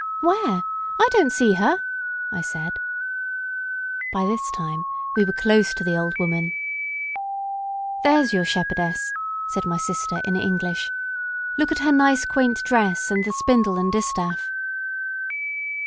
"Where? I don't see her," I said. By, this time we were close to the old woman. "There's your shepherdess," said my sister in English, "look at her nice quaint dress and the spindle and distaff.